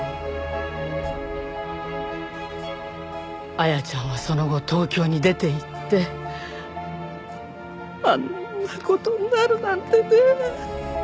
綾ちゃんはその後東京に出ていってあんな事になるなんてね。